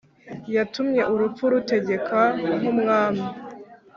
yatumye urupfu rutegeka nk’umwami